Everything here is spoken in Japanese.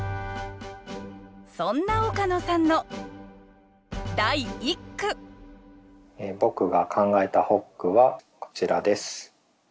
そんな岡野さんの第一句僕が考えた発句はこちらです。